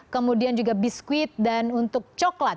kemudian juga biskuit dan untuk coklat